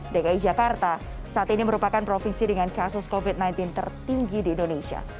dki jakarta saat ini merupakan provinsi dengan kasus covid sembilan belas tertinggi di indonesia